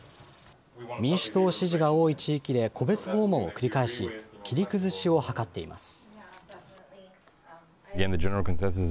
民主党支持が多い地域で戸別訪問を繰り返し、切り崩しを図っています。